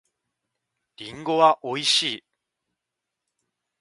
りんごは美味しい。